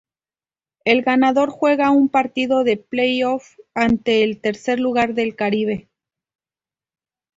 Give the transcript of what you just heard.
El ganador juega un partido de playoff ante el tercer lugar del Caribe.